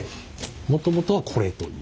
もともとはこれという。